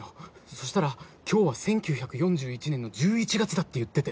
そしたら今日は１９４１年の１１月だって言ってて。